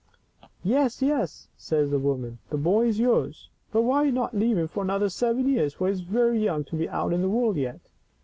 " Yes, yes," says the woman, " the boy is yours, but why not leave him for another seven years, for he is very young to be out in the world yet